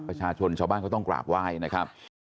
ประชาชนชาวบ้านเขาต้องกราบไหว้นะครับ